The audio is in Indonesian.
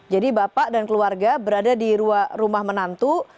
jadi bapak dan keluarga berada di rumah minantus